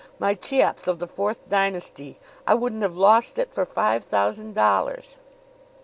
My Cheops of the Fourth Dynasty! I wouldn't have lost it for five thousand dollars!"